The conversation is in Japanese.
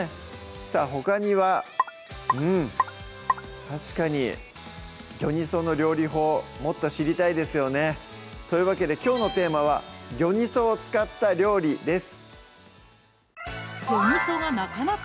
さぁほかにはうん確かにギョニソの料理法もっと知りたいですよねというわけできょうのテーマは「ギョニソを使った料理」です